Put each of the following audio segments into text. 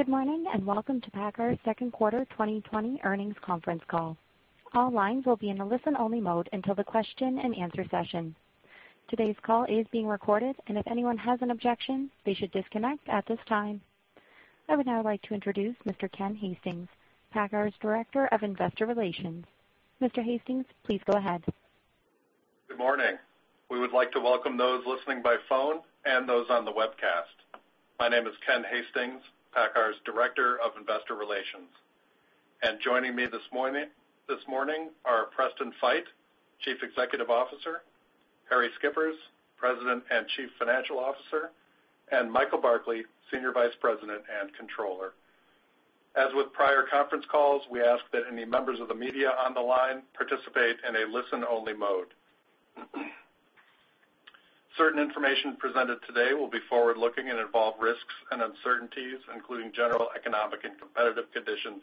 Good morning and welcome to PACCAR's second quarter 2020 earnings conference call. All lines will be in a listen-only mode until the question-and-answer session. Today's call is being recorded, and if anyone has an objection, they should disconnect at this time. I would now like to introduce Mr. Ken Hastings, PACCAR's Director of Investor Relations. Mr. Hastings, please go ahead. Good morning. We would like to welcome those listening by phone and those on the webcast. My name is Ken Hastings, PACCAR's Director of Investor Relations. And joining me this morning are Preston Feight, Chief Executive Officer, Harrie Schippers, President and Chief Financial Officer, and Michael Barkley, Senior Vice President and Controller. As with prior conference calls, we ask that any members of the media on the line participate in a listen-only mode. Certain information presented today will be forward-looking and involve risks and uncertainties, including general economic and competitive conditions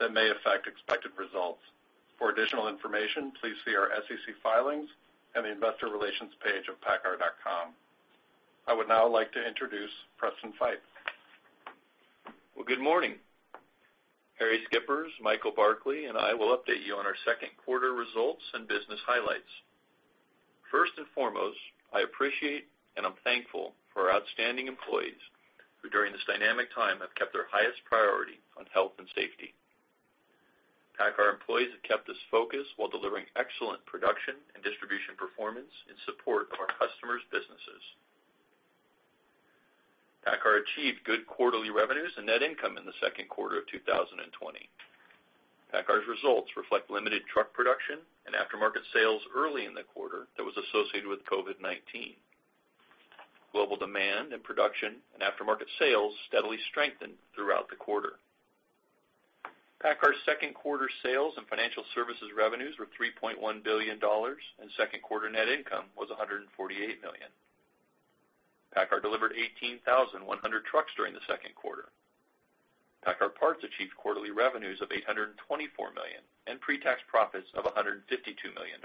that may affect expected results. For additional information, please see our SEC filings and the Investor Relations page of paccar.com. I would now like to introduce Preston Feight. Well, good morning. Harrie Schippers, Michael Barkley, and I will update you on our second quarter results and business highlights. First and foremost, I appreciate and I'm thankful for our outstanding employees who, during this dynamic time, have kept their highest priority on health and safety. PACCAR employees have kept this focus while delivering excellent production and distribution performance in support of our customers' businesses. PACCAR achieved good quarterly revenues and net income in the second quarter of 2020. PACCAR's results reflect limited truck production and aftermarket sales early in the quarter that was associated with COVID-19. Global demand and production and aftermarket sales steadily strengthened throughout the quarter. PACCAR's second quarter sales and financial services revenues were $3.1 billion, and second quarter net income was $148 million. PACCAR delivered 18,100 trucks during the second quarter. PACCAR Parts achieved quarterly revenues of $824 million and pre-tax profits of $152 million.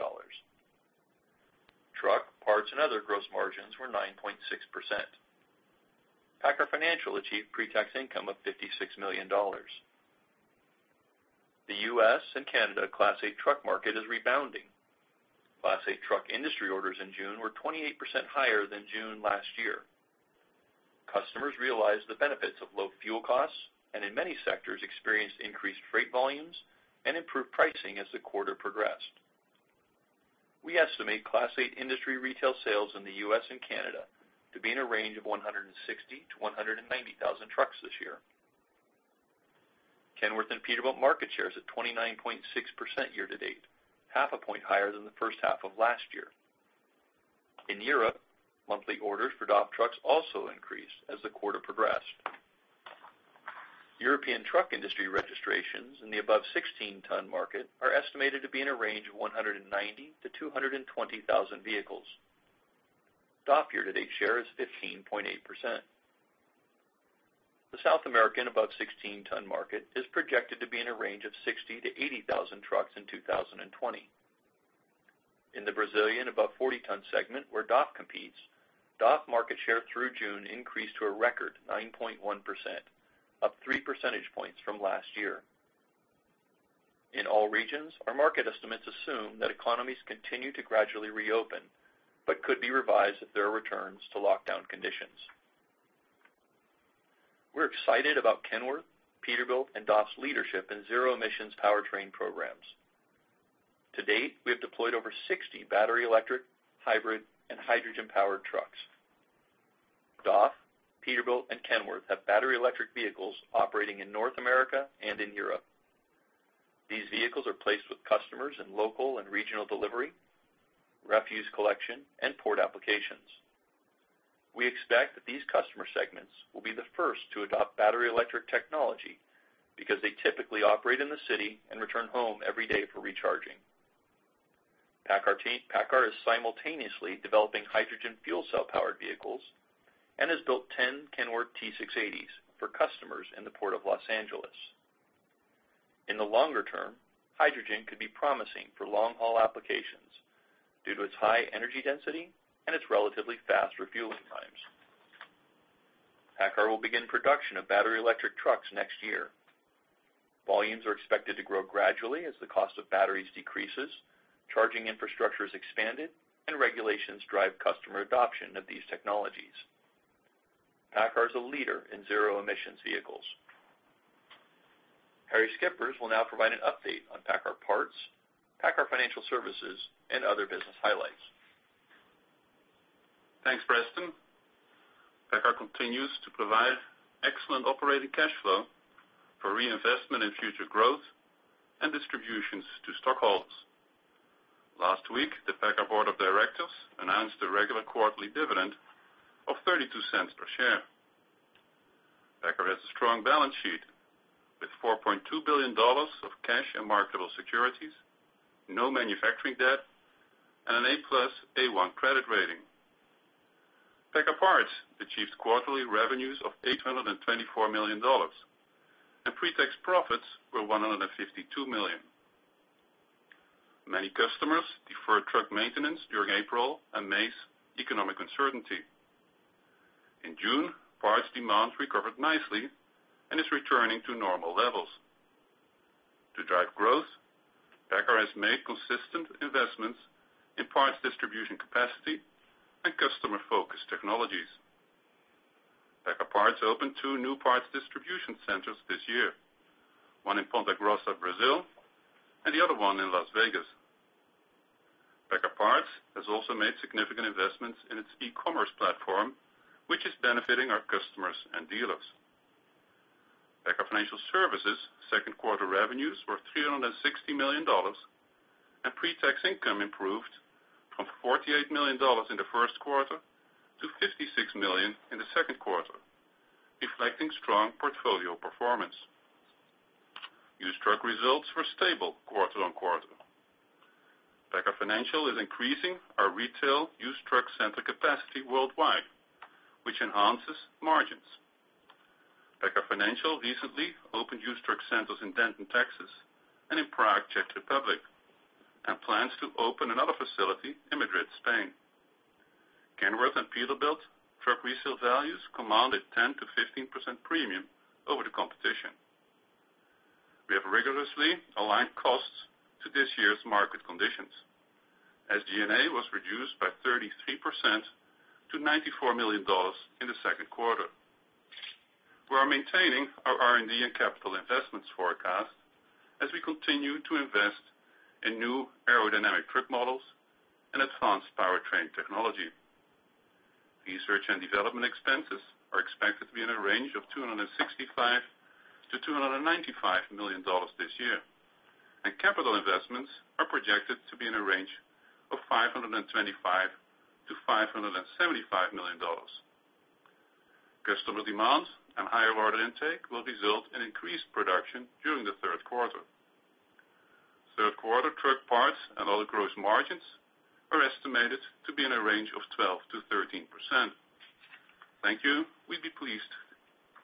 Truck, parts, and other gross margins were 9.6%. PACCAR Financial achieved pre-tax income of $56 million. The U.S. and Canada Class 8 truck market is rebounding. Class 8 truck industry orders in June were 28% higher than June last year. Customers realized the benefits of low fuel costs and, in many sectors, experienced increased freight volumes and improved pricing as the quarter progressed. We estimate Class 8 industry retail sales in the U.S. and Canada to be in a range of 160,000-190,000 trucks this year. Kenworth and Peterbilt market shares at 29.6% year to date, half a point higher than the first half of last year. In Europe, monthly orders for DAF trucks also increased as the quarter progressed. European truck industry registrations in the above-16-ton market are estimated to be in a range of 190,000-220,000 vehicles. DAF year to date share is 15.8%. The South American above-16-ton market is projected to be in a range of 60,000-80,000 trucks in 2020. In the Brazilian above-40-ton segment where DAF competes, DAF market share through June increased to a record 9.1%, up 3 percentage points from last year. In all regions, our market estimates assume that economies continue to gradually reopen but could be revised if there are returns to lockdown conditions. We're excited about Kenworth, Peterbilt, and DAF's leadership in zero-emissions powertrain programs. To date, we have deployed over 60 battery-electric, hybrid, and hydrogen-powered trucks. DAF, Peterbilt, and Kenworth have battery-electric vehicles operating in North America and in Europe. These vehicles are placed with customers in local and regional delivery, refuse collection, and port applications. We expect that these customer segments will be the first to adopt battery-electric technology because they typically operate in the city and return home every day for recharging. PACCAR is simultaneously developing hydrogen fuel cell-powered vehicles and has built 10 Kenworth T680s for customers in the Port of Los Angeles. In the longer term, hydrogen could be promising for long-haul applications due to its high energy density and its relatively fast refueling times. PACCAR will begin production of battery-electric trucks next year. Volumes are expected to grow gradually as the cost of batteries decreases, charging infrastructure is expanded, and regulations drive customer adoption of these technologies. PACCAR is a leader in zero-emissions vehicles. Harrie Schippers will now provide an update on PACCAR Parts, PACCAR Financial Services, and other business highlights. Thanks, Preston. PACCAR continues to provide excellent operating cash flow for reinvestment and future growth and distributions to stockholders. Last week, the PACCAR Board of Directors announced a regular quarterly dividend of $0.32 per share. PACCAR has a strong balance sheet with $4.2 billion of cash and marketable securities, no manufacturing debt, and an A+/A1 credit rating. PACCAR Parts achieved quarterly revenues of $824 million, and pre-tax profits were $152 million. Many customers deferred truck maintenance during April and May's economic uncertainty. In June, parts demand recovered nicely and is returning to normal levels. To drive growth, PACCAR has made consistent investments in parts distribution capacity and customer-focused technologies. PACCAR Parts opened two new parts distribution centers this year, one in Ponta Grossa, Brazil, and the other one in Las Vegas. PACCAR Parts has also made significant investments in its e-commerce platform, which is benefiting our customers and dealers. PACCAR Financial Services' second quarter revenues were $360 million, and pre-tax income improved from $48 million in the first quarter to $56 million in the second quarter, reflecting strong portfolio performance. Used truck results were stable quarter on quarter. PACCAR Financial is increasing our retail used truck center capacity worldwide, which enhances margins. PACCAR Financial recently opened used truck centers in Denton, Texas, and in Prague, Czech Republic, and plans to open another facility in Madrid, Spain. Kenworth and Peterbilt's truck resale values command a 10%-15% premium over the competition. We have rigorously aligned costs to this year's market conditions, SG&A was reduced by 33% to $94 million in the second quarter. We are maintaining our R&D and capital investments forecast as we continue to invest in new aerodynamic truck models and advanced powertrain technology. Research and development expenses are expected to be in a range of $265 million-$295 million this year, and capital investments are projected to be in a range of $525 million-$575 million. Customer demand and higher order intake will result in increased production during the third quarter. Third quarter truck parts and other gross margins are estimated to be in a range of 12%-13%. Thank you. We'd be pleased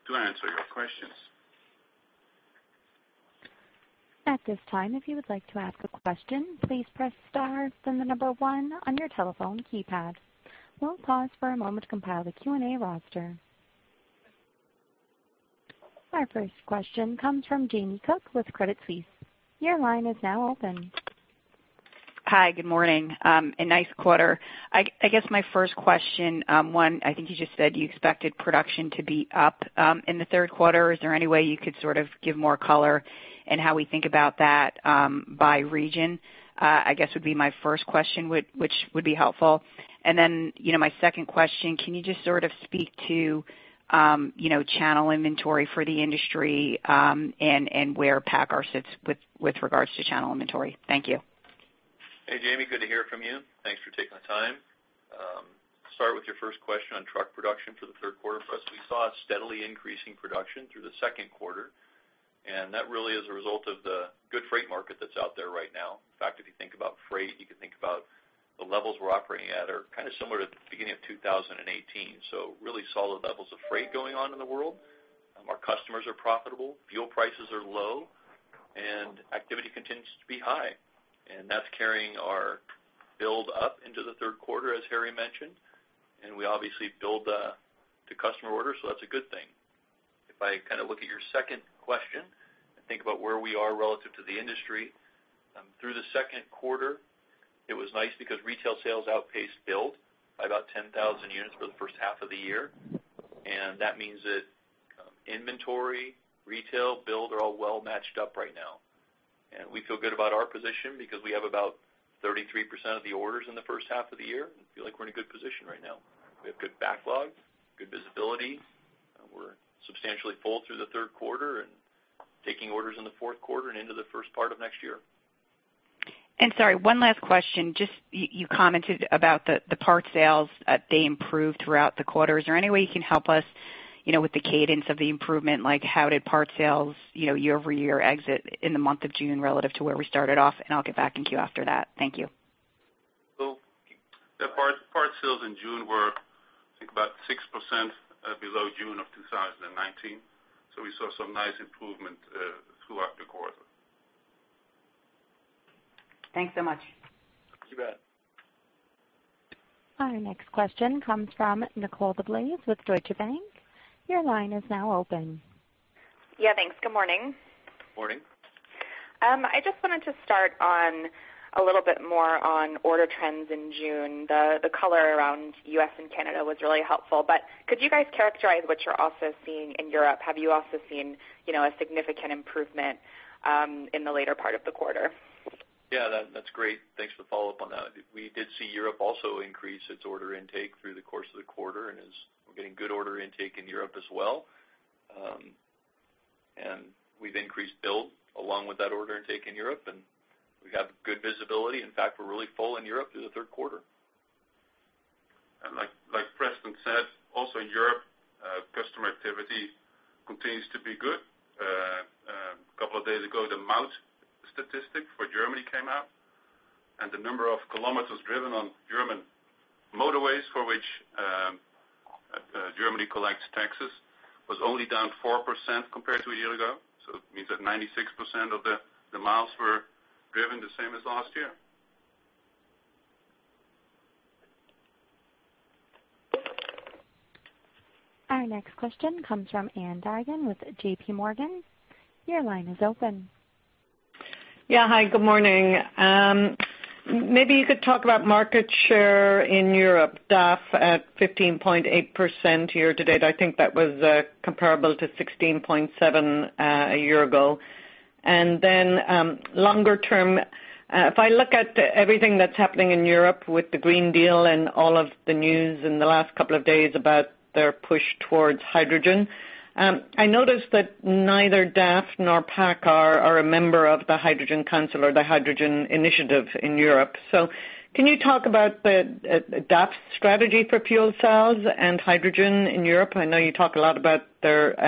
to answer your questions. At this time, if you would like to ask a question, please press star then the number one on your telephone keypad. We'll pause for a moment to compile the Q&A roster. Our first question comes from Jamie Cook with Credit Suisse. Your line is now open. Hi, good morning. A nice quarter. I guess my first question, one, I think you just said you expected production to be up in the third quarter. Is there any way you could sort of give more color in how we think about that by region? I guess would be my first question, which would be helpful. And then my second question, can you just sort of speak to channel inventory for the industry and where PACCAR sits with regards to channel inventory? Thank you. Hey, Jamie. Good to hear from you. Thanks for taking the time. Start with your first question on truck production for the third quarter. We saw a steadily increasing production through the second quarter, and that really is a result of the good freight market that's out there right now. In fact, if you think about freight, you can think about the levels we're operating at are kind of similar to the beginning of 2018, so really solid levels of freight going on in the world. Our customers are profitable. Fuel prices are low, and activity continues to be high, and that's carrying our build-up into the third quarter, as Harrie mentioned, and we obviously build to customer orders, so that's a good thing. If I kind of look at your second question and think about where we are relative to the industry, through the second quarter, it was nice because retail sales outpaced build by about 10,000 units for the first half of the year. And that means that inventory, retail, build are all well matched up right now. And we feel good about our position because we have about 33% of the orders in the first half of the year, and we feel like we're in a good position right now. We have good backlog, good visibility. We're substantially full through the third quarter and taking orders in the fourth quarter and into the first part of next year. And sorry, one last question. Just you commented about the part sales, they improved throughout the quarter. Is there any way you can help us with the cadence of the improvement? Like how did part sales year over year exit in the month of June relative to where we started off? And I'll get back in with you after that. Thank you. Part sales in June were, I think, about 6% below June of 2019. We saw some nice improvement throughout the quarter. Thanks so much. You bet. Our next question comes from Nicole DeBlase with Deutsche Bank. Your line is now open. Yeah, thanks. Good morning. Morning. I just wanted to start a little bit more on order trends in June. The color around U.S. and Canada was really helpful, but could you guys characterize what you're also seeing in Europe? Have you also seen a significant improvement in the later part of the quarter? Yeah, that's great. Thanks for the follow-up on that. We did see Europe also increase its order intake through the course of the quarter, and we're getting good order intake in Europe as well. And we've increased build along with that order intake in Europe, and we have good visibility. In fact, we're really full in Europe through the third quarter. Like Preston said, also in Europe, customer activity continues to be good. A couple of days ago, the Maut statistic for Germany came out, and the number of kilometers driven on German motorways for which Germany collects taxes was only down 4% compared to a year ago. So it means that 96% of the miles were driven the same as last year. Our next question comes from Ann Duignan with JPMorgan. Your line is open. Yeah, hi. Good morning. Maybe you could talk about market share in Europe. Stayed at 15.8% year to date. I think that was comparable to 16.7% a year ago. And then longer term, if I look at everything that's happening in Europe with the Green Deal and all of the news in the last couple of days about their push towards hydrogen, I noticed that neither DAF nor PACCAR are a member of the Hydrogen Council or the Hydrogen Initiative in Europe. So can you talk about the DAF strategy for fuel cells and hydrogen in Europe? I know you talk a lot about their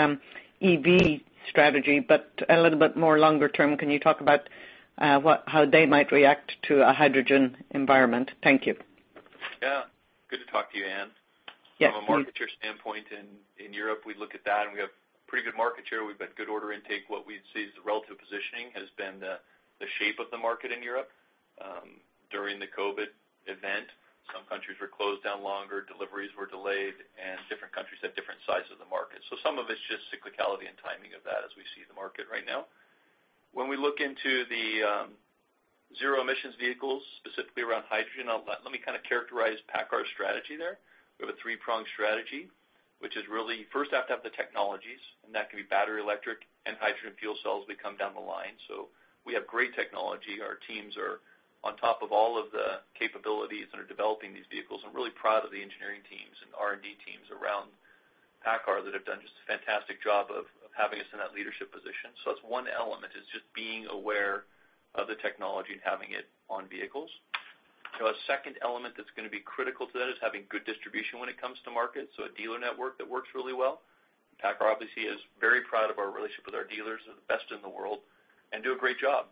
EV strategy, but a little bit more longer term, can you talk about how they might react to a hydrogen environment? Thank you. Yeah. Good to talk to you, Anne. Yes. From a market share standpoint in Europe, we look at that, and we have pretty good market share. We've had good order intake. What we see is the relative positioning has been the shape of the market in Europe. During the COVID event, some countries were closed down longer, deliveries were delayed, and different countries had different sizes of the market. So some of it's just cyclicality and timing of that as we see the market right now. When we look into the zero-emissions vehicles, specifically around hydrogen, let me kind of characterize PACCAR's strategy there. We have a three-pronged strategy, which is really first, you have to have the technologies, and that can be battery-electric and hydrogen fuel cells would come down the line. So we have great technology. Our teams are on top of all of the capabilities that are developing these vehicles. I'm really proud of the engineering teams and R&D teams around PACCAR that have done just a fantastic job of having us in that leadership position. So that's one element, is just being aware of the technology and having it on vehicles. A second element that's going to be critical to that is having good distribution when it comes to market, so a dealer network that works really well. PACCAR obviously is very proud of our relationship with our dealers. They're the best in the world and do a great job,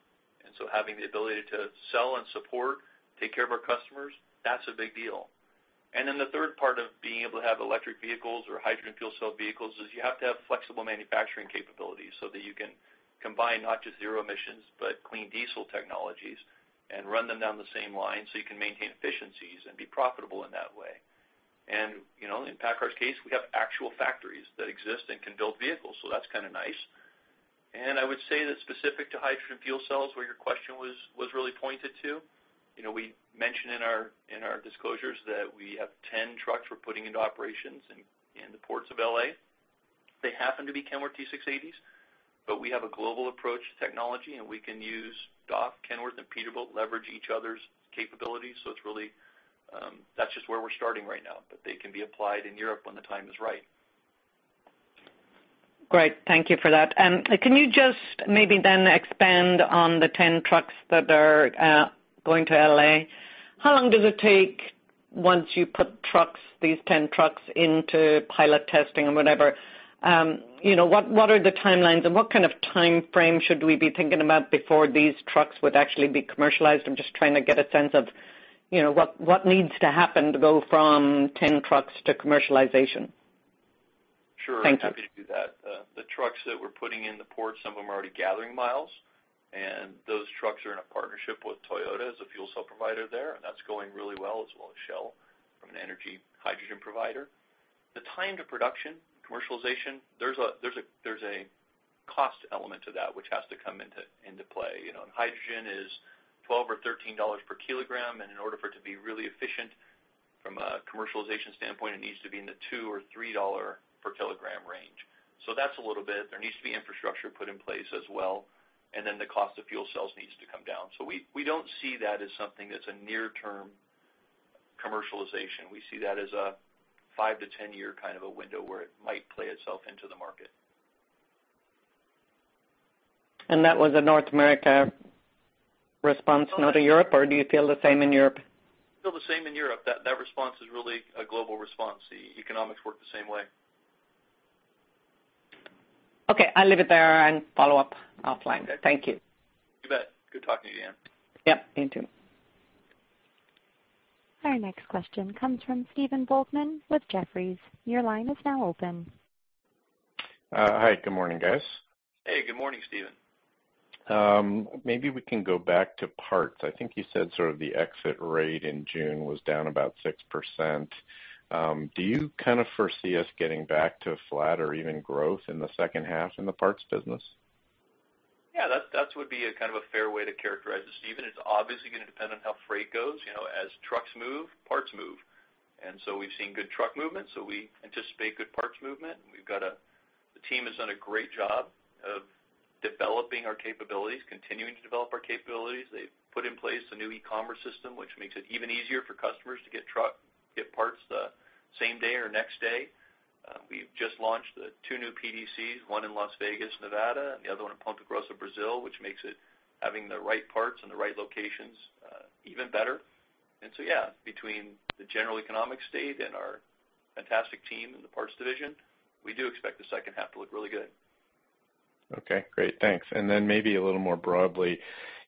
and so having the ability to sell and support, take care of our customers, that's a big deal. And then the third part of being able to have electric vehicles or hydrogen fuel cell vehicles is you have to have flexible manufacturing capabilities so that you can combine not just zero-emissions but clean diesel technologies and run them down the same line so you can maintain efficiencies and be profitable in that way. And in PACCAR's case, we have actual factories that exist and can build vehicles, so that's kind of nice. And I would say that specific to hydrogen fuel cells, where your question was really pointed to, we mention in our disclosures that we have 10 trucks we're putting into operations in the Port of Los Angeles. They happen to be Kenworth T680s, but we have a global approach to technology, and we can use DAF, Kenworth, and Peterbilt, leverage each other's capabilities. So that's just where we're starting right now, but they can be applied in Europe when the time is right. Great. Thank you for that. And can you just maybe then expand on the 10 trucks that are going to LA? How long does it take once you put these 10 trucks into pilot testing and whatever? What are the timelines, and what kind of time frame should we be thinking about before these trucks would actually be commercialized? I'm just trying to get a sense of what needs to happen to go from 10 trucks to commercialization. Sure. I'm happy to do that. The trucks that we're putting in the ports, some of them are already gathering miles, and those trucks are in a partnership with Toyota as a fuel cell provider there, and that's going really well, as well as Shell as a hydrogen energy provider. The time to production, commercialization, there's a cost element to that which has to come into play. Hydrogen is $12-$13 per kilogram, and in order for it to be really efficient from a commercialization standpoint, it needs to be in the $2-$3 per kilogram range. So that's a little bit. There needs to be infrastructure put in place as well, and then the cost of fuel cells needs to come down. So we don't see that as something that's a near-term commercialization. We see that as a 5-10-year kind of a window where it might play itself into the market. That was a North America response. Now to Europe, or do you feel the same in Europe? I feel the same in Europe. That response is really a global response. The economics work the same way. Okay. I'll leave it there and follow up offline. Thank you. You bet. Good talking to you, Ann. Yep. You too. Our next question comes from Stephen Volkmann with Jefferies. Your line is now open. Hi. Good morning, guys. Hey. Good morning, Stephen. Maybe we can go back to parts. I think you said sort of the exit rate in June was down about 6%. Do you kind of foresee us getting back to flat or even growth in the second half in the parts business? Yeah. That would be kind of a fair way to characterize it, Stephen. It's obviously going to depend on how freight goes. As trucks move, parts move, and so we've seen good truck movement, so we anticipate good parts movement. The team has done a great job of developing our capabilities, continuing to develop our capabilities. They've put in place a new e-commerce system, which makes it even easier for customers to get parts the same day or next day. We've just launched two new PDCs, one in Las Vegas, Nevada, and the other one in Ponta Grossa, Brazil, which makes having the right parts in the right locations even better, and so yeah, between the general economic state and our fantastic team in the parts division, we do expect the second half to look really good. Okay. Great. Thanks. And then maybe a little more broadly,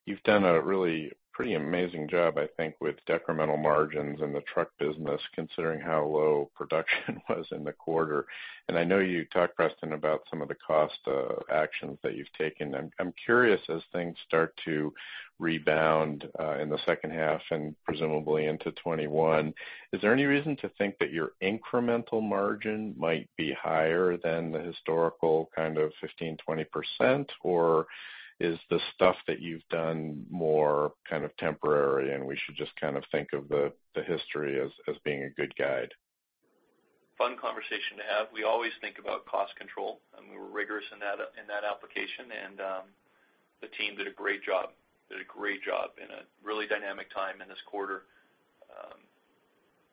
you've done a really pretty amazing job, I think, with decremental margins in the truck business, considering how low production was in the quarter. And I know you talked, Preston, about some of the cost actions that you've taken. I'm curious, as things start to rebound in the second half and presumably into 2021, is there any reason to think that your incremental margin might be higher than the historical kind of 15%-20%, or is the stuff that you've done more kind of temporary, and we should just kind of think of the history as being a good guide? Fun conversation to have. We always think about cost control, and we were rigorous in that application, and the team did a great job. They did a great job in a really dynamic time in this quarter,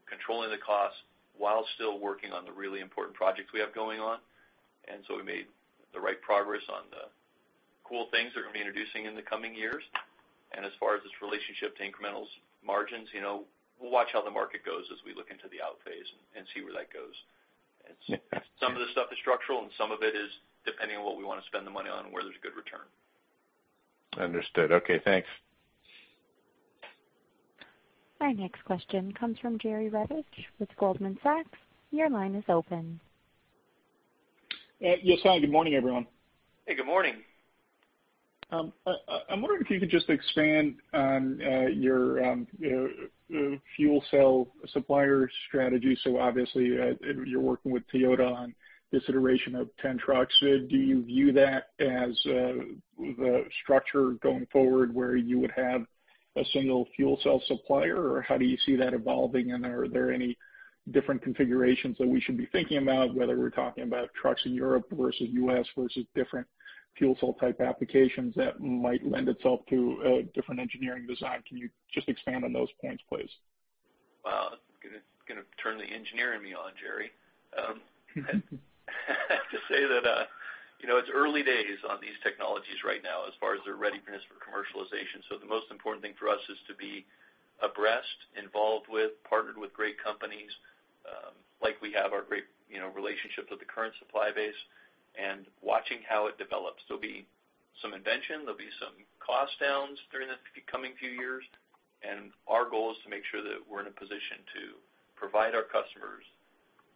controlling the costs while still working on the really important projects we have going on, and so we made the right progress on the cool things that we're going to be introducing in the coming years, and as far as this relationship to incremental margins, we'll watch how the market goes as we look into the out phase and see where that goes, and some of the stuff is structural, and some of it is depending on what we want to spend the money on and where there's a good return. Understood. Okay. Thanks. Our next question comes from Jerry Revich with Goldman Sachs. Your line is open. Yes, hi. Good morning, everyone. Hey. Good morning. I'm wondering if you could just expand on your fuel cell supplier strategy. So obviously, you're working with Toyota on this iteration of 10 trucks. Do you view that as the structure going forward where you would have a single fuel cell supplier, or how do you see that evolving, and are there any different configurations that we should be thinking about, whether we're talking about trucks in Europe versus U.S. versus different fuel cell type applications that might lend itself to a different engineering design? Can you just expand on those points, please? It's going to turn the engineer in me on, Jerry. I have to say that it's early days on these technologies right now as far as their readiness for commercialization. So the most important thing for us is to be abreast, involved with, partnered with great companies like we have our great relationship with the current supply base, and watching how it develops. There'll be some invention. There'll be some cost downs during the coming few years, and our goal is to make sure that we're in a position to provide our customers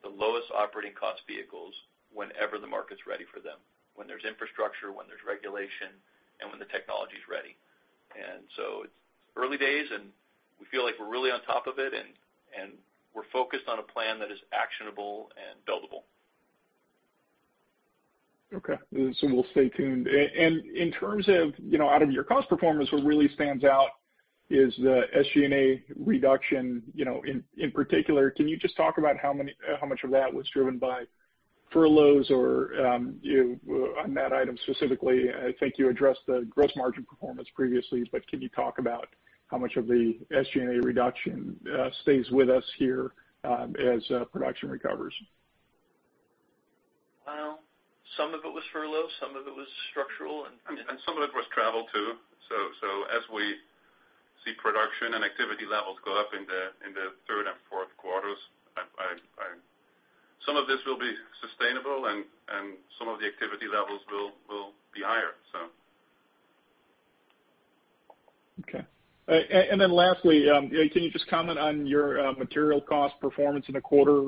the lowest operating cost vehicles whenever the market's ready for them, when there's infrastructure, when there's regulation, and when the technology's ready. And so it's early days, and we feel like we're really on top of it, and we're focused on a plan that is actionable and buildable. Okay. So we'll stay tuned. And in terms of your cost performance, what really stands out is the SG&A reduction in particular. Can you just talk about how much of that was driven by furloughs or on that item specifically? I think you addressed the gross margin performance previously, but can you talk about how much of the SG&A reduction stays with us here as production recovers? Well, some of it was furlough. Some of it was structural, and. And some of it was travel too. So as we see production and activity levels go up in the third and fourth quarters, some of this will be sustainable, and some of the activity levels will be higher, so. Okay. And then lastly, can you just comment on your material cost performance in the quarter,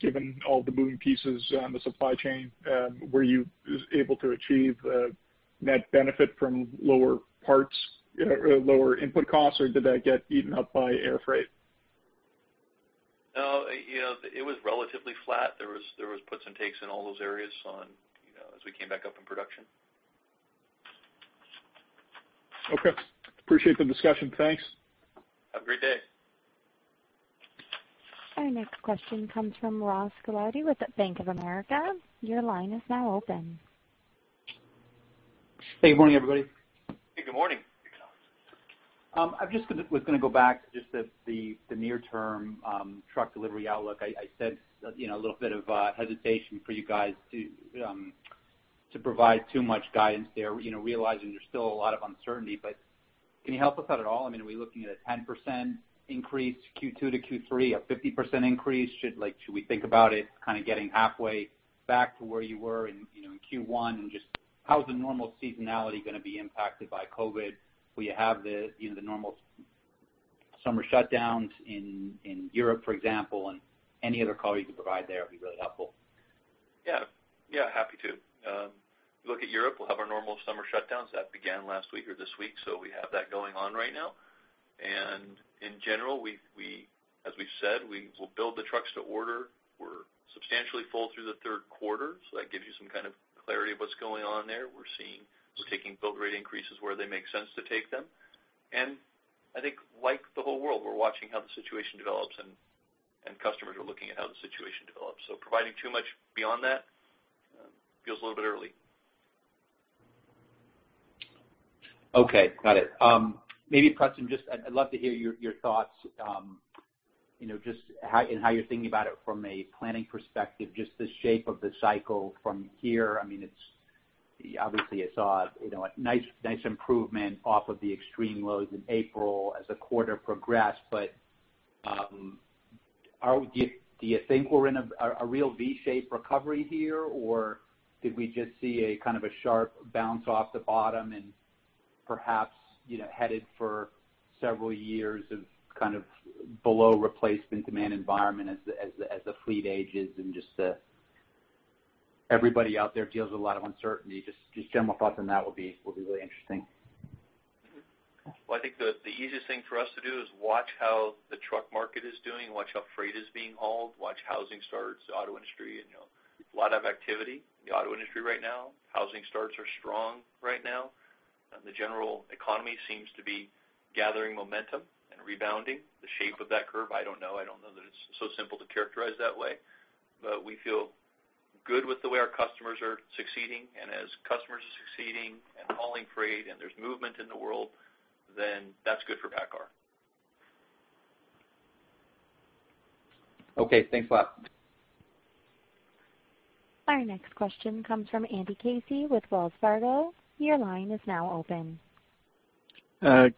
given all the moving pieces on the supply chain? Were you able to achieve net benefit from lower parts, lower input costs, or did that get eaten up by air freight? No. It was relatively flat. There was puts and takes in all those areas as we came back up in production. Okay. Appreciate the discussion. Thanks. Have a great day. Our next question comes from Ross Gilardi with Bank of America. Your line is now open. Hey. Good morning, everybody. Hey. Good morning. I was going to go back to just the near-term truck delivery outlook. I said a little bit of hesitation for you guys to provide too much guidance there, realizing there's still a lot of uncertainty. But can you help us out at all? I mean, are we looking at a 10% increase Q2 to Q3, a 50% increase? Should we think about it kind of getting halfway back to where you were in Q1? And just how is the normal seasonality going to be impacted by COVID? Will you have the normal summer shutdowns in Europe, for example? And any other quant you can provide there would be really helpful. Yeah. Yeah, happy to look at Europe. We'll have our normal summer shutdowns that began last week or this week, so we have that going on right now, and in general, as we've said, we will build the trucks to order. We're substantially full through the third quarter, so that gives you some kind of clarity of what's going on there. We're taking build rate increases where they make sense to take them, and I think, like the whole world, we're watching how the situation develops, and customers are looking at how the situation develops, so providing too much beyond that feels a little bit early. Okay. Got it. Maybe, Preston, I'd love to hear your thoughts just in how you're thinking about it from a planning perspective, just the shape of the cycle from here. I mean, obviously, I saw a nice improvement off of the extreme lows in April as the quarter progressed, but do you think we're in a real V-shaped recovery here, or did we just see kind of a sharp bounce off the bottom and perhaps headed for several years of kind of below replacement demand environment as the fleet ages and just everybody out there deals with a lot of uncertainty? Just general thoughts on that would be really interesting. Well, I think the easiest thing for us to do is watch how the truck market is doing, watch how freight is being hauled, watch housing starts, the auto industry. A lot of activity in the auto industry right now. Housing starts are strong right now. The general economy seems to be gathering momentum and rebounding. The shape of that curve, I don't know. I don't know that it's so simple to characterize that way, but we feel good with the way our customers are succeeding. And as customers are succeeding and hauling freight and there's movement in the world, then that's good for PACCAR. Okay. Thanks a lot. Our next question comes from Andy Casey with Wells Fargo. Your line is now open.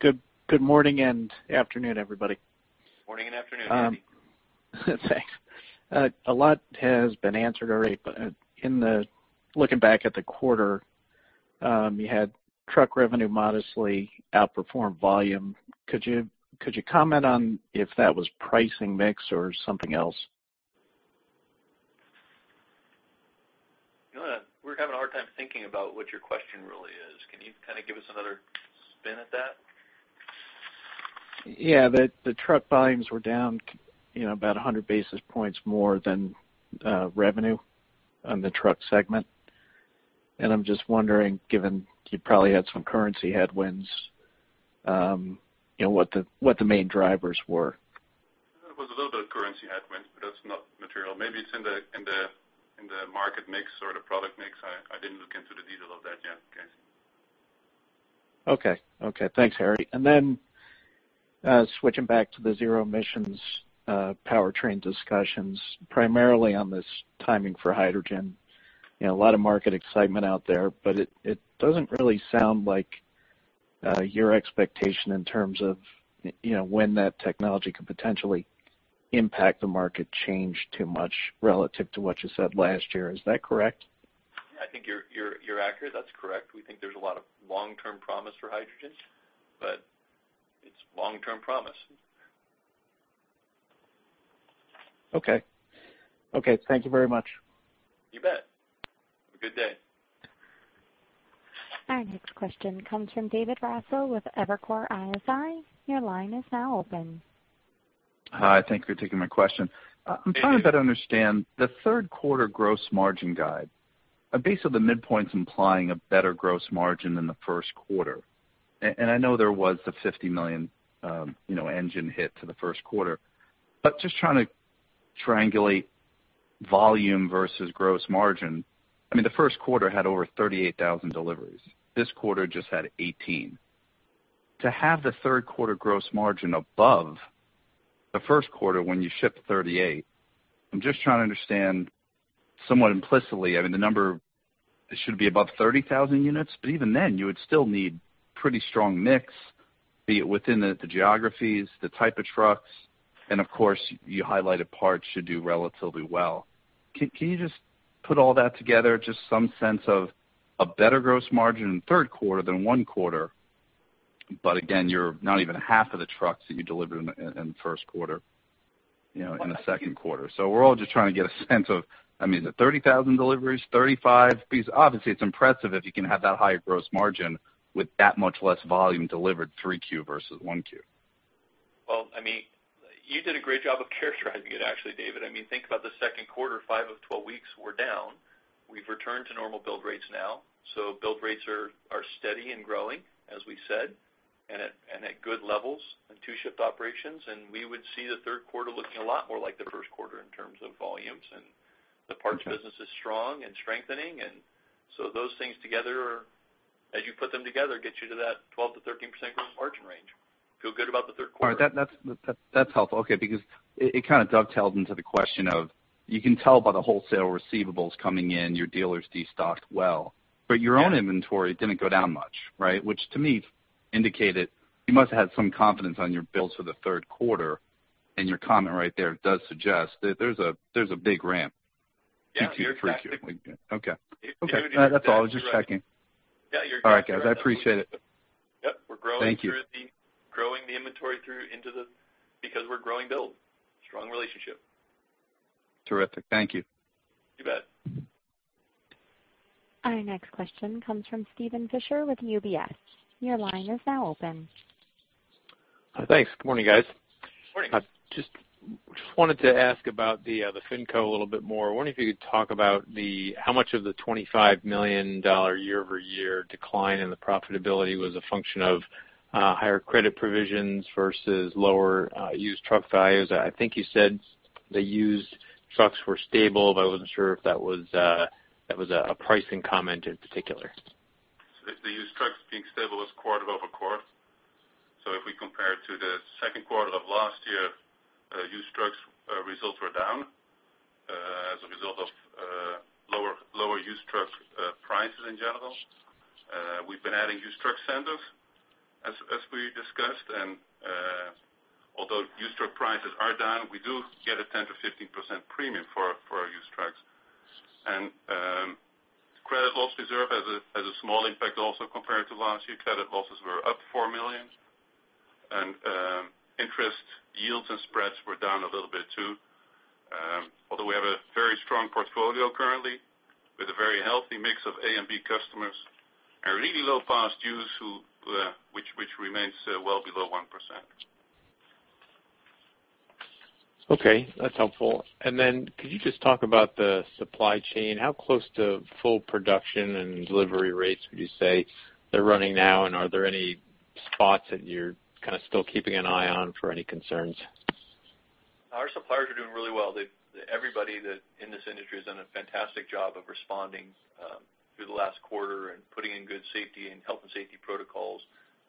Good morning and afternoon, everybody. Morning and afternoon, Andy. Thanks. A lot has been answered already, but looking back at the quarter, you had truck revenue modestly outperform volume. Could you comment on if that was pricing mix or something else? We're having a hard time thinking about what your question really is. Can you kind of give us another spin at that? Yeah. The truck volumes were down about 100 basis points more than revenue on the truck segment. And I'm just wondering, given you probably had some currency headwinds, what the main drivers were? There was a little bit of currency headwinds, but that's not material. Maybe it's in the market mix or the product mix. I didn't look into the detail of that yet, Casey. Okay. Okay. Thanks, Harrie, and then switching back to the zero-emissions powertrain discussions, primarily on this timing for hydrogen. A lot of market excitement out there, but it doesn't really sound like your expectation in terms of when that technology could potentially impact the market changed too much relative to what you said last year. Is that correct? Yeah. I think you're accurate. That's correct. We think there's a lot of long-term promise for hydrogen, but it's long-term promise. Okay. Okay. Thank you very much. You bet. Have a good day. Our next question comes from David Raso with Evercore ISI. Your line is now open. Hi. Thank you for taking my question. I'm trying to better understand the third quarter gross margin guide. It's based on the midpoint implying a better gross margin than the first quarter, and I know there was the $50 million engine hit to the first quarter, but just trying to triangulate volume versus gross margin. I mean, the first quarter had over 38,000 deliveries. This quarter just had 18. To have the third quarter gross margin above the first quarter when you ship 38, I'm just trying to understand somewhat implicitly. I mean, the number should be above 30,000 units, but even then, you would still need pretty strong mix, be it within the geographies, the type of trucks, and of course, you highlighted parts should do relatively well. Can you just put all that together, just some sense of a better gross margin in third quarter than one quarter, but again, you're not even half of the trucks that you delivered in the first quarter in the second quarter? So we're all just trying to get a sense of, I mean, is it 30,000 deliveries, 35? Obviously, it's impressive if you can have that high gross margin with that much less volume delivered 3Q versus 1Q. Well, I mean, you did a great job of characterizing it, actually, David. I mean, think about the second quarter, five of 12 weeks were down. We've returned to normal build rates now. So build rates are steady and growing, as we said, and at good levels in two-shift operations. And we would see the third quarter looking a lot more like the first quarter in terms of volumes, and the parts business is strong and strengthening. And so those things together, as you put them together, get you to that 12%-13% gross margin range. Feel good about the third quarter. All right. That's helpful. Okay. Because it kind of dovetails into the question of you can tell by the wholesale receivables coming in, your dealers destocked well, but your own inventory didn't go down much, right, which to me indicated you must have had some confidence on your builds for the third quarter, and your comment right there does suggest that there's a big ramp. Yeah. You're correct. Okay. Okay. That's all. I was just checking. Yeah. You're good. All right, guys. I appreciate it. Yep. We're growing. Thank you. Growing the inventory through into the because we're growing builds. Strong relationship. Terrific. Thank you. You bet. Our next question comes from Steven Fisher with UBS. Your line is now open. Thanks. Good morning, guys. Good morning. I just wanted to ask about the Finco a little bit more. I wonder if you could talk about how much of the $25 million year-over-year decline in the profitability was a function of higher credit provisions versus lower used truck values? I think you said the used trucks were stable, but I wasn't sure if that was a pricing comment in particular. The used trucks being stable was quarter-over-quarter. So if we compare it to the second quarter of last year, used trucks results were down as a result of lower used truck prices in general. We've been adding used truck centers, as we discussed. And although used truck prices are down, we do get a 10%-15% premium for our used trucks. And credit loss reserve has a small impact also compared to last year. Credit losses were up $4 million, and interest yields and spreads were down a little bit too. Although we have a very strong portfolio currently with a very healthy mix of A and B customers and really low past dues, which remains well below 1%. Okay. That's helpful. And then could you just talk about the supply chain? How close to full production and delivery rates would you say they're running now, and are there any spots that you're kind of still keeping an eye on for any concerns? Our suppliers are doing really well. Everybody in this industry has done a fantastic job of responding through the last quarter and putting in good safety and health and safety protocols.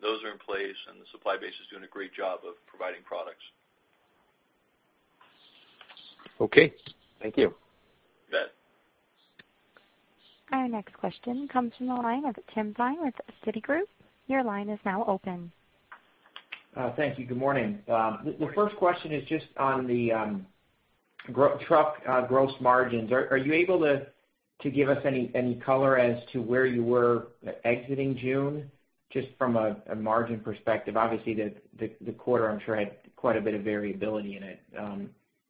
Those are in place, and the supply base is doing a great job of providing products. Okay. Thank you. You bet. Our next question comes from the line of Tim Thein with Citigroup. Your line is now open. Thank you. Good morning. The first question is just on the truck gross margins. Are you able to give us any color as to where you were exiting June, just from a margin perspective? Obviously, the quarter, I'm sure, had quite a bit of variability in it.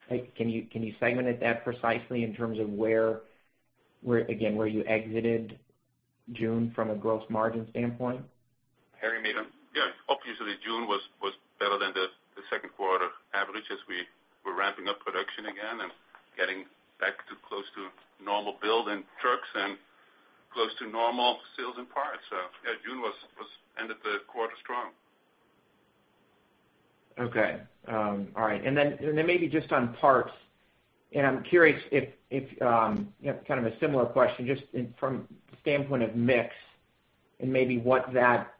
Can you segment it that precisely in terms of, again, where you exited June from a gross margin standpoint? Harrie Schippers. Yeah. Obviously, June was better than the second quarter average as we were ramping up production again and getting back to close to normal build in trucks and close to normal sales in parts. So yeah, June ended the quarter strong. Okay. All right. And then maybe just on parts, and I'm curious if kind of a similar question just from the standpoint of mix and maybe what that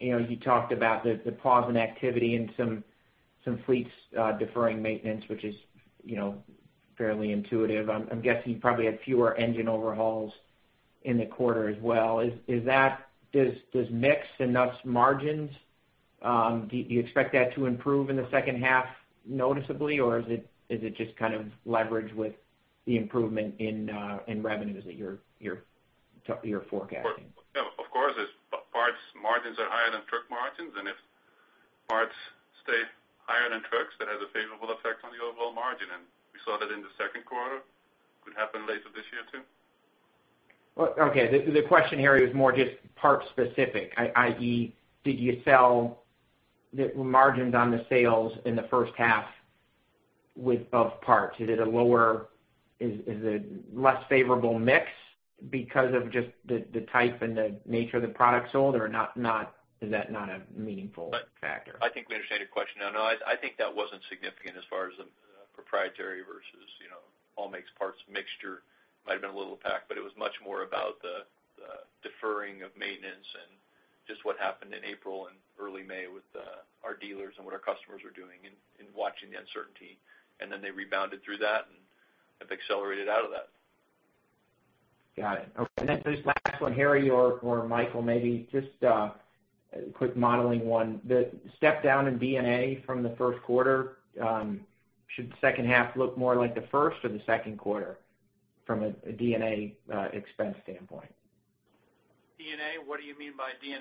you talked about, the pause in activity and some fleets deferring maintenance, which is fairly intuitive. I'm guessing you probably had fewer engine overhauls in the quarter as well. Does mix and those margins, do you expect that to improve in the second half noticeably, or is it just kind of leverage with the improvement in revenues that you're forecasting? Of course, parts margins are higher than truck margins, and if parts stay higher than trucks, that has a favorable effect on the overall margin. We saw that in the second quarter. Could happen later this year too. Okay. The question, Harrie, was more just part-specific, i.e., did you sell the margins on the sales in the first half of parts? Is it a lower, is it a less favorable mix because of just the type and the nature of the product sold, or is that not a meaningful factor? I think we understand your question now. No, I think that wasn't significant as far as proprietary versus all makes parts mixture might have been a little packed, but it was much more about the deferring of maintenance and just what happened in April and early May with our dealers and what our customers were doing and watching the uncertainty, and then they rebounded through that and have accelerated out of that. Got it. Okay. And then this last one, Harrie or Michael, maybe just a quick modeling one. The step down in D&A from the first quarter, should the second half look more like the first or the second quarter from a D&A expense standpoint? D&A? What do you mean by D&A?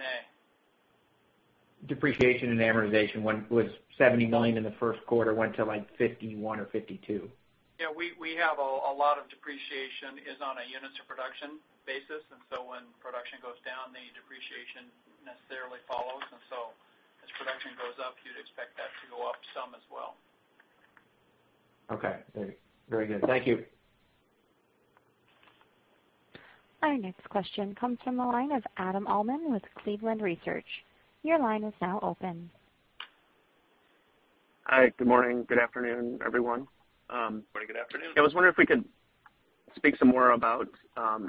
Depreciation and amortization. When it was $70 million in the first quarter, it went to like $51 million or $52 million. Yeah. We have a lot of depreciation is on a units-to-production basis, and so when production goes down, the depreciation necessarily follows. And so as production goes up, you'd expect that to go up some as well. Okay. Very good. Thank you. Our next question comes from the line of Adam Uhlman with Cleveland Research. Your line is now open. Hi. Good morning. Good afternoon, everyone. Morning. Good afternoon. Yeah. I was wondering if we could speak some more about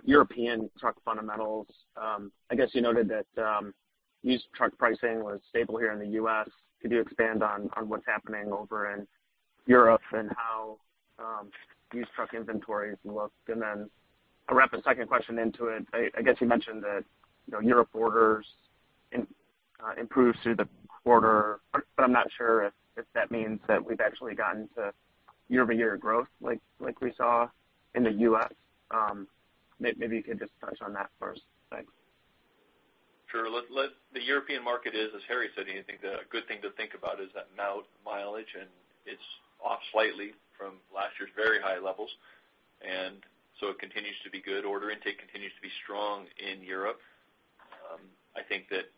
European truck fundamentals. I guess you noted that used truck pricing was stable here in the U.S. Could you expand on what's happening over in Europe and how used truck inventories look? And then I'll wrap a second question into it. I guess you mentioned that Europe orders improved through the quarter, but I'm not sure if that means that we've actually gotten to year-over-year growth like we saw in the U.S. Maybe you could just touch on that first. Thanks. Sure. The European market is, as Harrie said, a good thing to think about: that mileage, and it's off slightly from last year's very high levels. And so it continues to be good. Order intake continues to be strong in Europe. I think that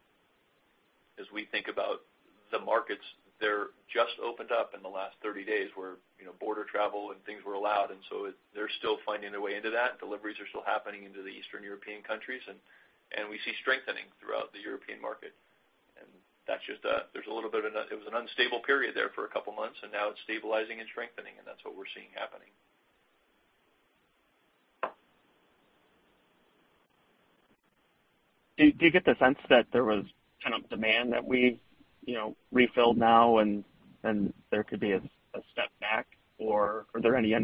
as we think about the markets, they're just opened up in the last 30 days where border travel and things were allowed. And so they're still finding their way into that. Deliveries are still happening into the Eastern European countries, and we see strengthening throughout the European market. And that's just. There's a little bit of an unstable period there for a couple of months, and now it's stabilizing and strengthening, and that's what we're seeing happening. Do you get the sense that there was kind of demand that we refilled now, and there could be a step back? Or are there any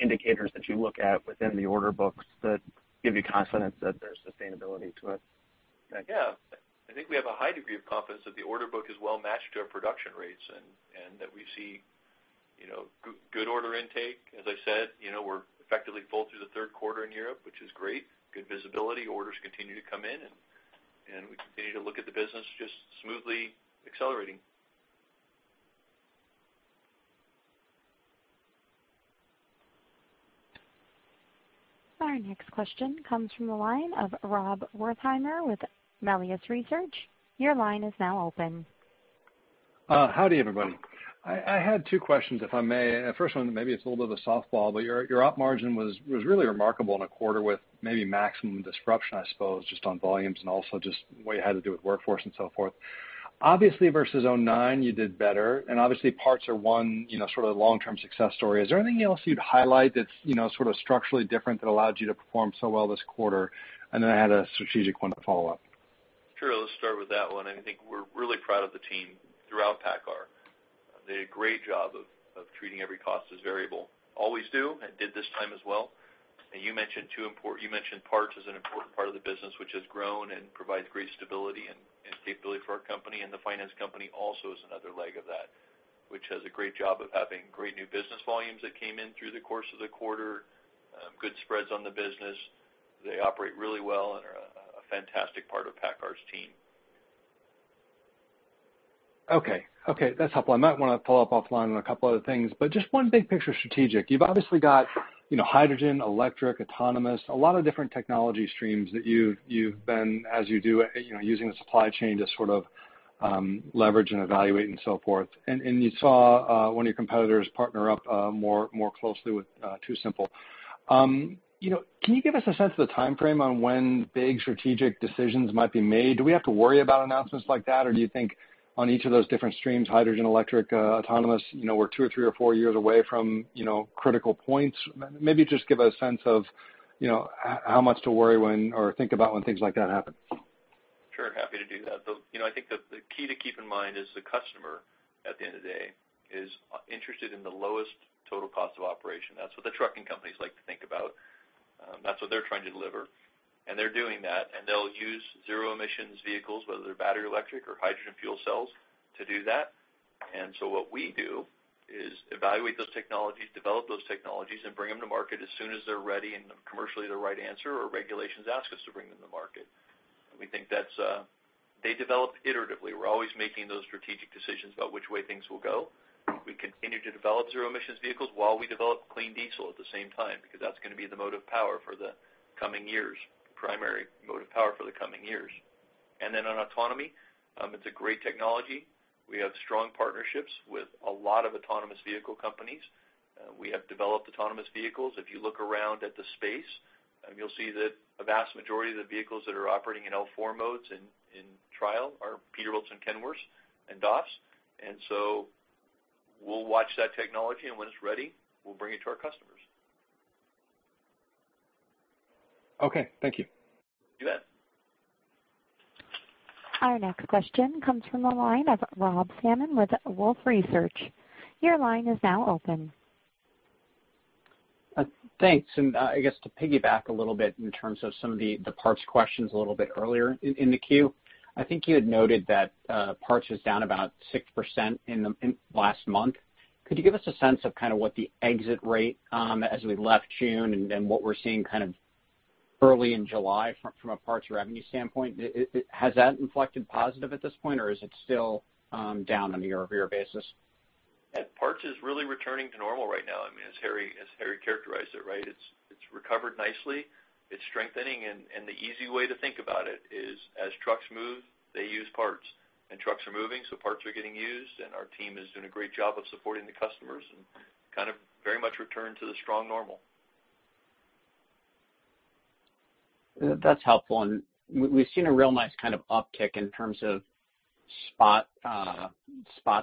indicators that you look at within the order books that give you confidence that there's sustainability to it? Yeah. I think we have a high degree of confidence that the order book is well matched to our production rates and that we see good order intake. As I said, we're effectively full through the third quarter in Europe, which is great. Good visibility. Orders continue to come in, and we continue to look at the business just smoothly accelerating. Our next question comes from the line of Rob Wertheimer with Melius Research. Your line is now open. Howdy, everybody. I had two questions, if I may. First one, maybe it's a little bit of a softball, but your op margin was really remarkable in a quarter with maybe maximum disruption, I suppose, just on volumes and also just what you had to do with workforce and so forth. Obviously, versus 2009, you did better, and obviously, parts are one sort of long-term success story. Is there anything else you'd highlight that's sort of structurally different that allowed you to perform so well this quarter? And then I had a strategic one to follow up. Sure. Let's start with that one. I think we're really proud of the team throughout PACCAR. They did a great job of treating every cost as variable. Always do and did this time as well. And you mentioned two important. You mentioned parts as an important part of the business, which has grown and provides great stability and capability for our company. And the finance company also is another leg of that, which has a great job of having great new business volumes that came in through the course of the quarter, good spreads on the business. They operate really well and are a fantastic part of PACCAR's team. Okay. Okay. That's helpful. I might want to follow up offline on a couple of other things, but just one big picture strategic. You've obviously got hydrogen, electric, autonomous, a lot of different technology streams that you've been, as you do, using the supply chain to sort of leverage and evaluate and so forth. And you saw one of your competitors partner up more closely with TuSimple. Can you give us a sense of the time frame on when big strategic decisions might be made? Do we have to worry about announcements like that, or do you think on each of those different streams, hydrogen, electric, autonomous, we're two or three or four years away from critical points? Maybe just give us a sense of how much to worry when or think about when things like that happen. Sure. Happy to do that. I think the key to keep in mind is the customer, at the end of the day, is interested in the lowest total cost of operation. That's what the trucking companies like to think about. That's what they're trying to deliver. And they're doing that, and they'll use zero-emissions vehicles, whether they're battery electric or hydrogen fuel cells, to do that. And so what we do is evaluate those technologies, develop those technologies, and bring them to market as soon as they're ready and commercially the right answer or regulations ask us to bring them to market. We think that they develop iteratively. We're always making those strategic decisions about which way things will go. We continue to develop zero-emissions vehicles while we develop clean diesel at the same time because that's going to be the mode of power for the coming years, primary mode of power for the coming years. And then on autonomy, it's a great technology. We have strong partnerships with a lot of autonomous vehicle companies. We have developed autonomous vehicles. If you look around at the space, you'll see that a vast majority of the vehicles that are operating in L4 modes in trial are Peterbilts and Kenworths and DAFs. And so we'll watch that technology, and when it's ready, we'll bring it to our customers. Okay. Thank you. You bet. Our next question comes from the line of Rob Salmon with Wolfe Research. Your line is now open. Thanks. And I guess to piggyback a little bit in terms of some of the parts questions a little bit earlier in the queue, I think you had noted that parts was down about 6% in the last month. Could you give us a sense of kind of what the exit rate as we left June and what we're seeing kind of early in July from a parts revenue standpoint? Has that inflected positive at this point, or is it still down on a year-over-year basis? Parts is really returning to normal right now. I mean, as Harrie characterized it, right, it's recovered nicely. It's strengthening. And the easy way to think about it is as trucks move, they use parts. And trucks are moving, so parts are getting used, and our team is doing a great job of supporting the customers and kind of very much returned to the strong normal. That's helpful, and we've seen a real nice kind of uptick in terms of spot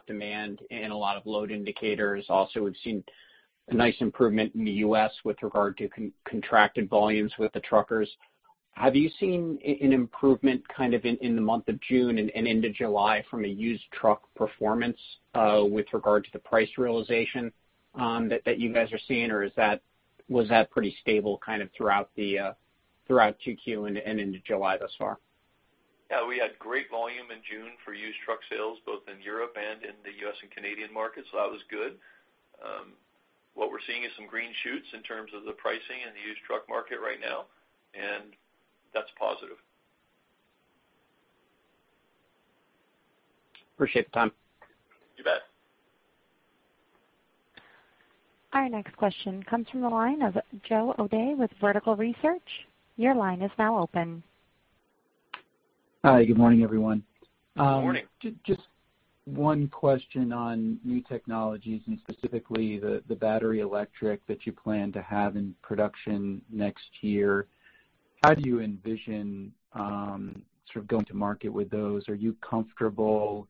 demand in a lot of load indicators. Also, we've seen a nice improvement in the U.S. with regard to contracted volumes with the truckers. Have you seen an improvement kind of in the month of June and into July from a used truck performance with regard to the price realization that you guys are seeing, or was that pretty stable kind of throughout 2Q and into July thus far? Yeah. We had great volume in June for used truck sales, both in Europe and in the U.S. and Canadian markets, so that was good. What we're seeing is some green shoots in terms of the pricing in the used truck market right now, and that's positive. Appreciate the time. You bet. Our next question comes from the line of Joe O'Dea with Vertical Research. Your line is now open. Hi. Good morning, everyone. Good morning. Just one question on new technologies and specifically the battery electric that you plan to have in production next year. How do you envision sort of going to market with those? Are you comfortable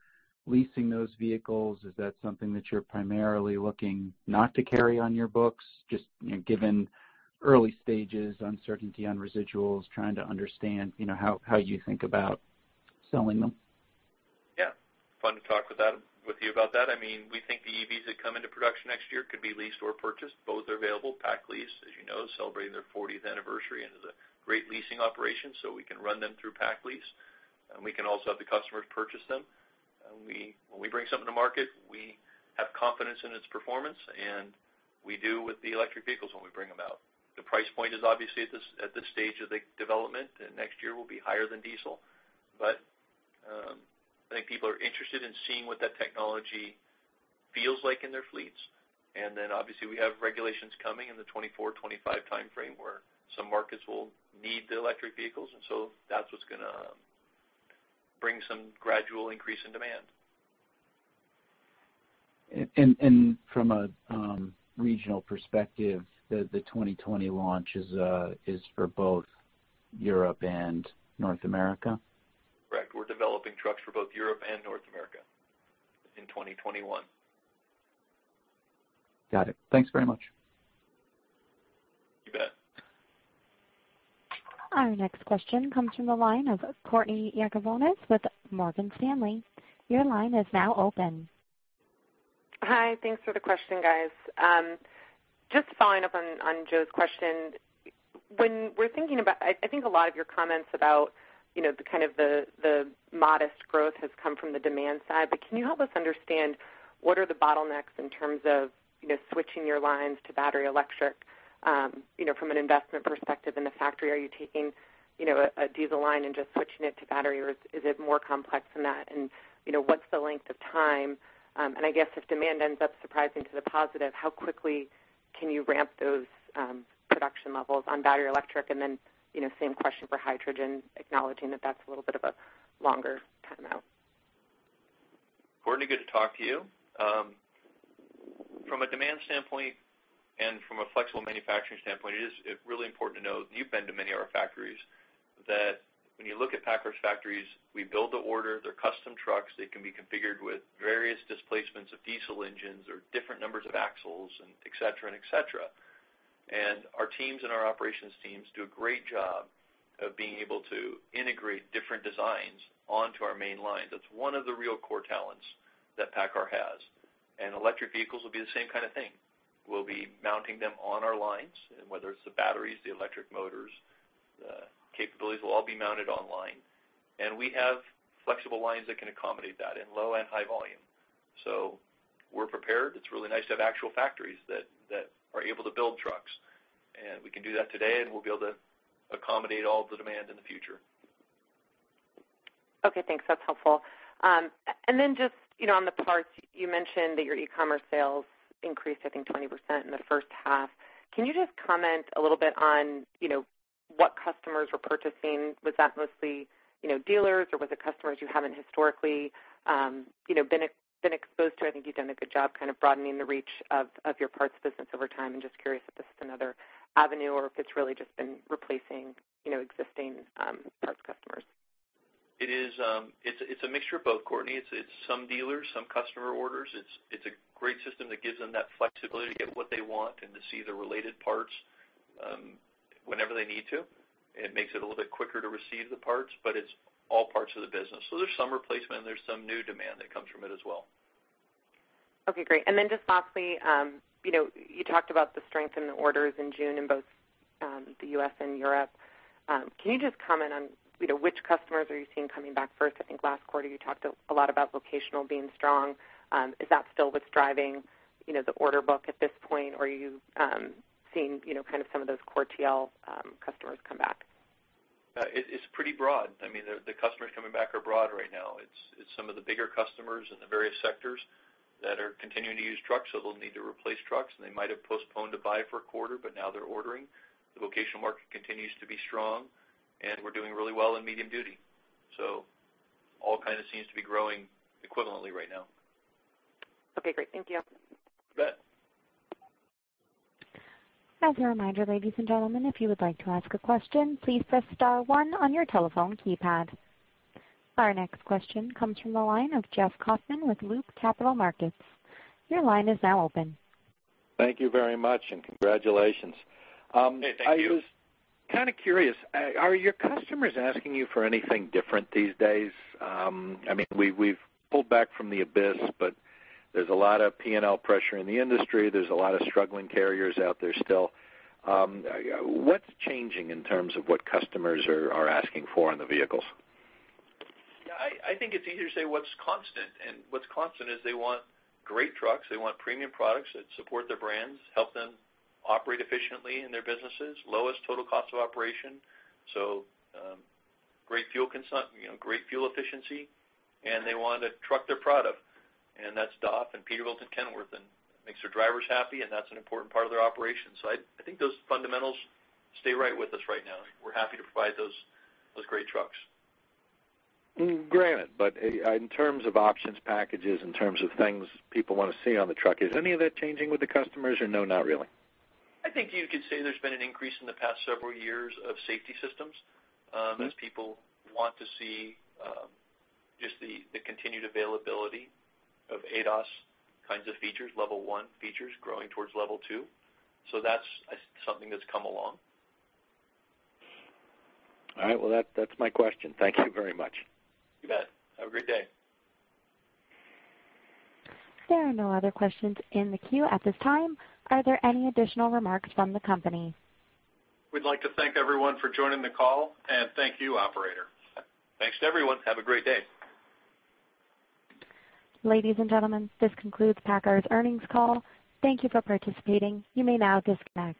leasing those vehicles? Is that something that you're primarily looking not to carry on your books, just given early stages, uncertainty on residuals, trying to understand how you think about selling them? Yeah. Fun to talk with you about that. I mean, we think the EVs that come into production next year could be leased or purchased. Both are available. PacLease, as you know, is celebrating their 40th anniversary and is a great leasing operation, so we can run them through PacLease. And we can also have the customers purchase them. When we bring something to market, we have confidence in its performance, and we do with the electric vehicles when we bring them out. The price point is obviously at this stage of the development, and next year will be higher than diesel. But I think people are interested in seeing what that technology feels like in their fleets. And then, obviously, we have regulations coming in the 2024, 2025 time frame where some markets will need the electric vehicles. That's what's going to bring some gradual increase in demand. From a regional perspective, the 2020 launch is for both Europe and North America? Correct. We're developing trucks for both Europe and North America in 2021. Got it. Thanks very much. You bet. Our next question comes from the line of Courtney Yakavonis with Morgan Stanley. Your line is now open. Hi. Thanks for the question, guys. Just following up on Joe's question, when we're thinking about I think a lot of your comments about kind of the modest growth has come from the demand side, but can you help us understand what are the bottlenecks in terms of switching your lines to battery electric from an investment perspective? In the factory, are you taking a diesel line and just switching it to battery, or is it more complex than that? And what's the length of time? And I guess if demand ends up surprising to the positive, how quickly can you ramp those production levels on battery electric? And then same question for hydrogen, acknowledging that that's a little bit of a longer timeout. Courtney, good to talk to you. From a demand standpoint and from a flexible manufacturing standpoint, it is really important to know (and you've been to many of our factories) that when you look at PACCAR's factories, we build the order. They're custom trucks. They can be configured with various displacements of diesel engines or different numbers of axles, etc., and etc., and our teams and our operations teams do a great job of being able to integrate different designs onto our main lines. That's one of the real core talents that PACCAR has, and electric vehicles will be the same kind of thing. We'll be mounting them on our lines, and whether it's the batteries, the electric motors, the capabilities will all be mounted on line, and we have flexible lines that can accommodate that in low and high volume, so we're prepared. It's really nice to have actual factories that are able to build trucks, and we can do that today, and we'll be able to accommodate all of the demand in the future. Okay. Thanks. That's helpful, and then just on the parts, you mentioned that your e-commerce sales increased, I think, 20% in the first half. Can you just comment a little bit on what customers were purchasing? Was that mostly dealers, or was it customers you haven't historically been exposed to? I think you've done a good job kind of broadening the reach of your parts business over time. I'm just curious if this is another avenue or if it's really just been replacing existing parts customers. It is. It's a mixture of both, Courtney. It's some dealers, some customer orders. It's a great system that gives them that flexibility to get what they want and to see the related parts whenever they need to. It makes it a little bit quicker to receive the parts, but it's all parts of the business. So there's some replacement, and there's some new demand that comes from it as well. Okay. Great. And then just lastly, you talked about the strength in the orders in June in both the U.S. and Europe. Can you just comment on which customers are you seeing coming back first? I think last quarter, you talked a lot about vocational being strong. Is that still what's driving the order book at this point, or are you seeing kind of some of those core TL customers come back? It's pretty broad. I mean, the customers coming back are broad right now. It's some of the bigger customers in the various sectors that are continuing to use trucks, so they'll need to replace trucks, and they might have postponed a buy for a quarter, but now they're ordering. The vocational market continues to be strong, and we're doing really well in medium duty, so all kind of seems to be growing equivalently right now. Okay. Great. Thank you. You bet. As a reminder, ladies and gentlemen, if you would like to ask a question, please press star one on your telephone keypad. Our next question comes from the line of Jeff Kauffman with Loop Capital Markets. Your line is now open. Thank you very much, and congratulations. Hey. Thank you. I was kind of curious. Are your customers asking you for anything different these days? I mean, we've pulled back from the abyss, but there's a lot of P&L pressure in the industry. There's a lot of struggling carriers out there still. What's changing in terms of what customers are asking for on the vehicles? Yeah. I think it's easier to say what's constant, and what's constant is they want great trucks. They want premium products that support their brands, help them operate efficiently in their businesses, lowest total cost of operation, so great fuel efficiency, and they want to truck their product, and that's DAF and Peterbilt and Kenworth, and it makes their drivers happy, and that's an important part of their operation, so I think those fundamentals stay right with us right now. We're happy to provide those great trucks. Granted, but in terms of options, packages, in terms of things people want to see on the truck, is any of that changing with the customers, or no, not really? I think you could say there's been an increase in the past several years of safety systems as people want to see just the continued availability of ADAS kinds of features, Level 1 features growing towards Level 2, so that's something that's come along. All right. Well, that's my question. Thank you very much. You bet. Have a great day. There are no other questions in the queue at this time. Are there any additional remarks from the company? We'd like to thank everyone for joining the call, and thank you, operator. Thanks to everyone. Have a great day. Ladies and gentlemen, this concludes PACCAR's earnings call. Thank you for participating. You may now disconnect.